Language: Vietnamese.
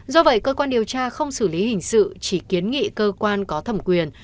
do vậy cơ quan điều tra không xử lý hình sự chỉ kiến nghị cơ quan có thẩm quyền